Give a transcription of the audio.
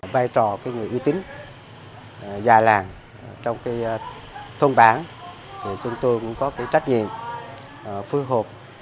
vai trò người uy tín già làng trong thôn bản chúng tôi cũng có trách nhiệm phù hợp